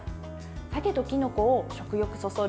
鮭ときのこを食欲そそる